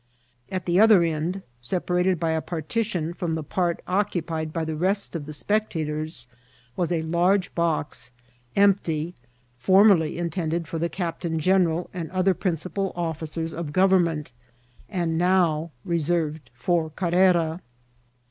At the oAer end, separated by a par* tition from the part occupied by the rest of the specta^ tors, was a large box, empty, formerly intended for the captain general and other principal officers of goyem ment, and now reserved for Carrera.